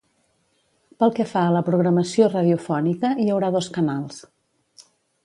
Pel que fa a la programació radiofònica, hi haurà dos canals.